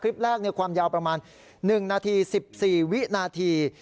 คลิปแรกความยาวประมาณ๑นาที๑๔วินาที